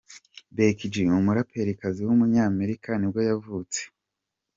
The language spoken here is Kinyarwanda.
Becky G, umuraperikazi w’umunyamerika nibwo yavutse.